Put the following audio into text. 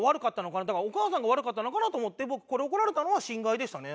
だからお母さんが悪かったのかなと思って僕これ怒られたのは心外でしたね。